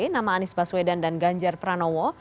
nama anies baswedan dan ganjar pranowo